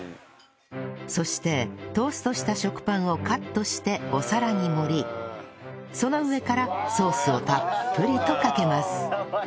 そしてトーストした食パンをカットしてお皿に盛りその上からソースをたっぷりとかけます